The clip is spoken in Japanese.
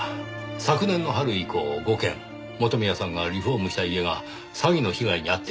昨年の春以降５件元宮さんがリフォームした家が詐欺の被害に遭っていますね。